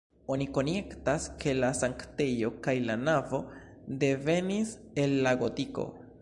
Oni konjektas, ke la sanktejo kaj la navo devenis el la gotiko.